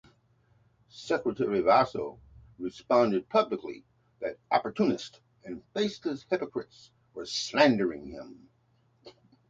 Secretary Vaso responded publicly that "opportunists" and "faceless hypocrites" were slandering him.